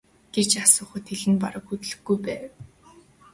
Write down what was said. гэж асуухад хэл нь бараг хөдлөхгүй байв.